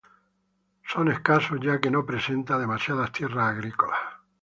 Son escasos, ya que no presenta demasiadas tierras agrícolas.